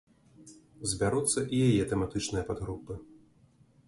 Збяруцца і яе тэматычныя падгрупы.